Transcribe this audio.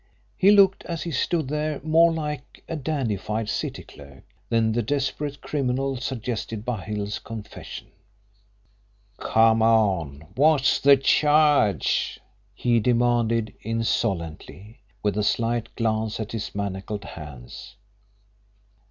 He looked, as he stood there, more like a dandified city clerk than the desperate criminal suggested by Hill's confession. "Come on, what's the charge?" he demanded insolently, with a slight glance at his manacled hands.